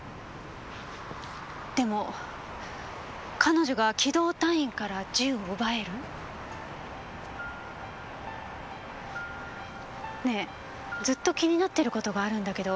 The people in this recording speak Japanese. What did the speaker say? でも彼女が機動隊員から銃を奪える？ねえずっと気になってることがあるんだけど。